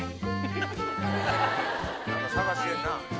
何か探してるな。